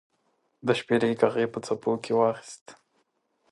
د شپیلۍ ږغ یې په څپو کې واخیست